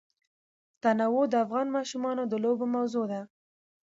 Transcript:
تنوع د افغان ماشومانو د لوبو موضوع ده.